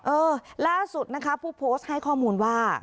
เออล่าสุดนะคะผู้โพสต์ให้ข้อมูลว่า